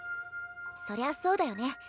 そりゃそうだよね。